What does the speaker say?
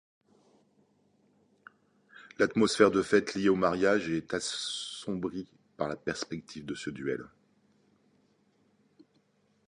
L’atmosphère de fête liée au mariage est assombrie par la perspective de ce duel.